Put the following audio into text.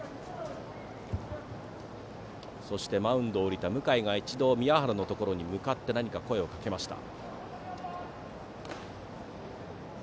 そしてマウンドを降りた向井が一度、宮原に向かって何か声をかけました。